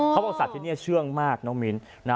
เขาบอกสัตว์ที่นี่เชื่องมากน้องมิ้น